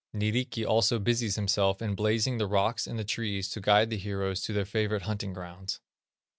Nyrikki also busies himself in blazing the rocks and the trees to guide the heroes to their favorite hunting grounds.